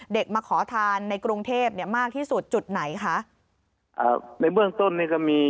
มาขอทานในกรุงเทพเนี่ยมากที่สุดจุดไหนคะอ่าในเบื้องต้นนี่ก็มี